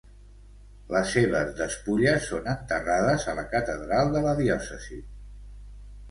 Les seves despulles són enterrades a la Catedral de la diòcesi.